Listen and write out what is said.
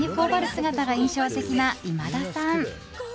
姿が印象的な今田さん。